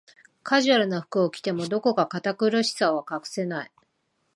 カジュアルな服を着ても、どこか堅苦しさは隠せない